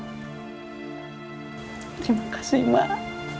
terima kasih mak